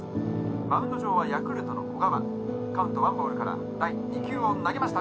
「マウンド上はヤクルトの小川」「カウント１ボールから第２球を投げました」